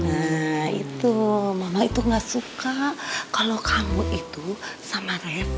nah itu mama itu gak suka kalau kamu itu sama red